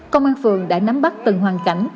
công an phường đã nắm bắt từng hoàn cảnh